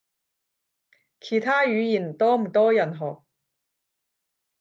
其他語言多唔多人學？